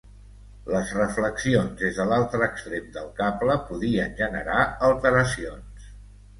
Les reflexions des de l'altre extrem del cable podien generar alteracions.